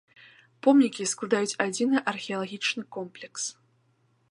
Помнікі складаюць адзіны археалагічны комплекс.